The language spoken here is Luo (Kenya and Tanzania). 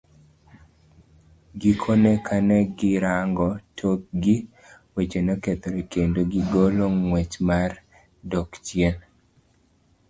Gikone kane girango tok gi, weche nokethore, kendo gigolo ng'wech mar dok chien.